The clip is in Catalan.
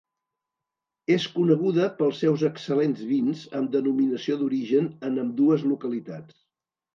És coneguda pels seus excel·lents vins amb denominació d'origen en ambdues localitats.